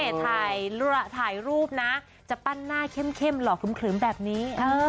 ถ่ายรูปนะจะปั้นหน้าเข้มหล่อขึมแบบนี้